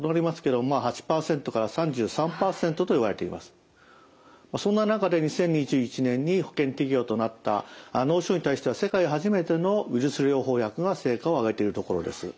このグループはそんな中で２０２１年に保険適用となった脳腫瘍に対しては世界初めてのウイルス療法薬が成果をあげているところです。